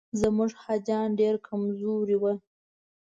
زموږ حاجیان ډېر کمزوري وو.